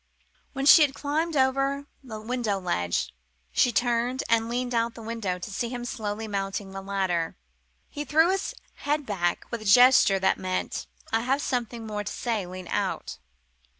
When she had climbed over the window ledge she turned and leaned out of the window, to see him slowly mounting the ladder. He threw his head back with a quick gesture that meant "I have something more to say lean out!"